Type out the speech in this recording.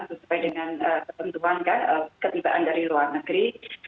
sesuai dengan ketentuan kan ketibaan dari luar negeri